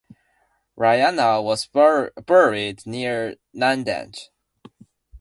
Rayanna was buried near Nandagad.